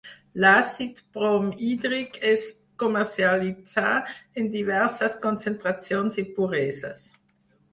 L'àcid bromhídric es comercialitza en diverses concentracions i pureses.